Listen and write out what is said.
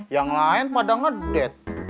yang lain pada ngedate